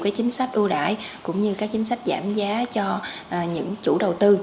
cái chính sách ưu đãi cũng như các chính sách giảm giá cho những chủ đầu tư